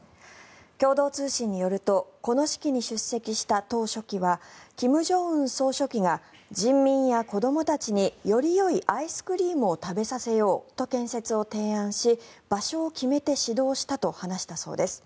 共同通信によるとこの式に出席した党書記は金正恩総書記が人民や子どもたちによりよいアイスクリームを食べさせようと建設を提案し場所を決めて指導したと話したそうです。